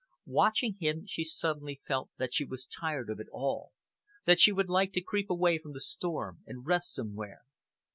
Watching him, she suddenly felt that she was tired of it all, that she would like to creep away from the storm and rest somewhere.